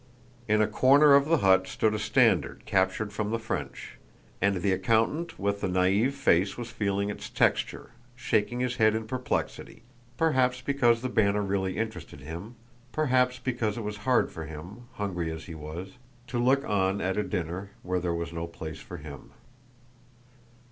In a corner of the hut stood a standard captured from the French, and the accountant with the naïve face was feeling its texture, shaking his head in perplexity—perhaps because the banner really interested him, perhaps because it was hard for him, hungry as he was, to look on at a dinner where there was no place for him.